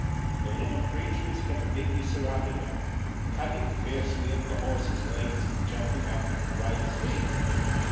The little creatures completely surrounded them, cutting fiercely at the horses' legs and jumping up at the riders' feet.